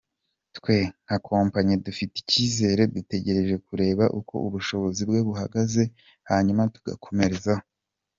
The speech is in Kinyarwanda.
Twe nka Kompanyi dufite icyizere, dutegereje kureba uko ubushobozi bwe buhagaze hanyuma tugakomerezaho.